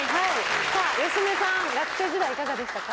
芳根さん学生時代いかがでしたか？